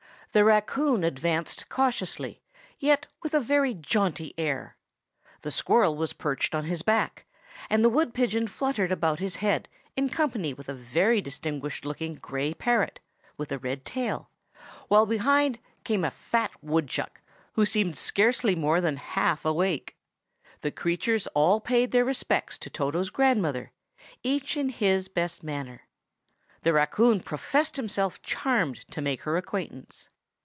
The raccoon advanced cautiously, yet with a very jaunty air. The squirrel was perched on his back, and the wood pigeon fluttered about his head, in company with a very distinguished looking gray parrot, with a red tail; while behind came a fat woodchuck, who seemed scarcely more than half awake. The creatures all paid their respects to Toto's grandmother, each in his best manner; the raccoon professed himself charmed to make her acquaintance.